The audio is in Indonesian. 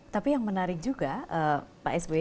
tapi yang menarik juga pak sby